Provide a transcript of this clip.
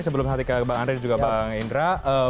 sebelum hati hati ke pak andri dan juga pak indra